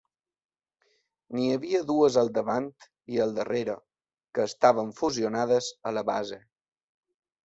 N'hi havia dues al davant i al darrere, que estaven fusionades a la base.